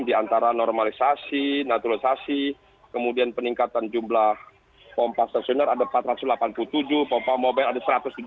di antara normalisasi naturalisasi kemudian peningkatan jumlah pompa stasioner ada empat ratus delapan puluh tujuh pompa mobil ada satu ratus tujuh puluh